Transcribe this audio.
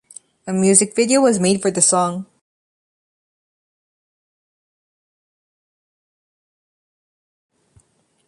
A music video was made for the song.